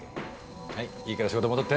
はいいいから仕事戻って。